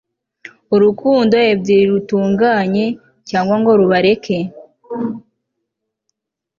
urukundo ebyiri rutunganye, cyangwa ngo rubareke